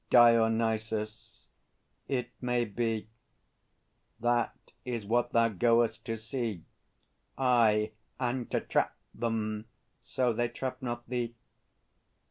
DIONYSUS. It may be. That is what thou goest to see, Aye, and to trap them so they trap not thee!